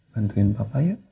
bantuin papa ya